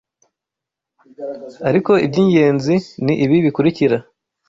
ariko iby’ingenzi ni ibi bikurikira